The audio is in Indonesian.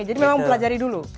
jadi memang belajari dulu